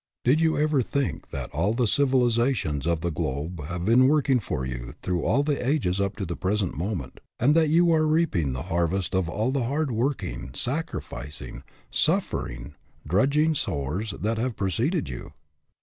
Did you ever think that all the civiliz 203 204 DOES THE WORLD OWE YOU? ations of the globe have been working for you through all the ages up to the present moment, and that you are reaping the harvest of all the hard working, sacrificing, suffering, drudging sowers that have preceded you?